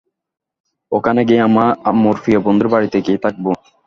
ওখানে গিয়ে আম্মুর প্রিয় বন্ধুর বাড়িতে গিয়ে থাকবো।